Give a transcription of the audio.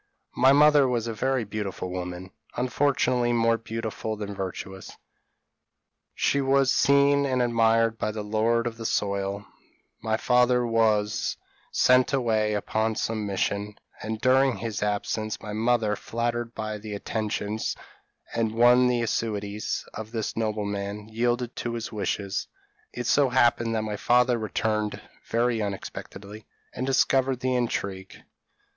My mother was a very beautiful woman, unfortunately more beautiful than virtuous: she was seen and admired by the lord of the soil; my father was sent away upon some mission; and, during his absence, my mother, flattered by the attentions, and won by the assiduities, of this nobleman, yielded to his wishes. It so happened that my father returned very unexpectedly, and discovered the intrigue.